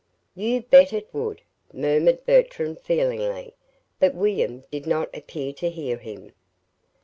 "You bet it would!" murmured Bertram, feelingly; but William did not appear to hear him.